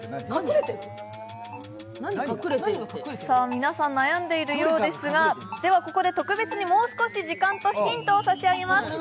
皆さん悩んでいるようですが、ここで特別に時間とヒントを差し上げます。